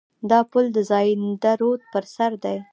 دا پل د زاینده رود پر سر دی.